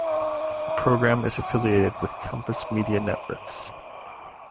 The program is affiliated with Compass Media Networks.